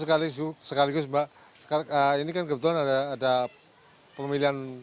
terus sekaligus mbak ini kan kebetulan ada pemilihan